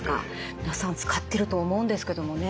皆さん使ってると思うんですけどもね。